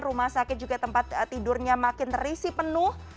rumah sakit juga tempat tidurnya makin terisi penuh